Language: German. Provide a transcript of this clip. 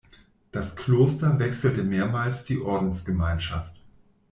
Das Kloster wechselte mehrmals die Ordensgemeinschaft.